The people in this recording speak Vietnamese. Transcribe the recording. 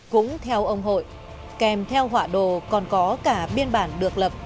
cũng theo ông hội kèm theo họa đồ còn có cả biên bản được lập